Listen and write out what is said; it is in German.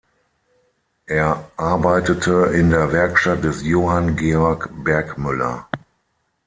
Er arbeitete in der Werkstatt des Johann Georg Bergmüller.